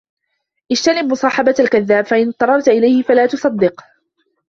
اجتنب مصاحبة الكذاب فإن اضطررت إليه فلا تُصَدِّقْهُ